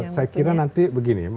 saya kira nanti begini